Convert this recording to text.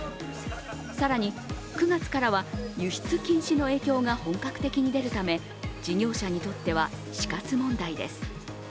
更に９月からは輸出禁止の影響が本格的に出るため事業者にとっては死活問題です。